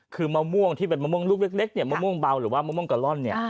คือมะม่วงที่เป็นมะม่วงลูกเล็กเนี่ยมะม่วงเบาหรือว่ามะม่วงกะล่อนเนี่ย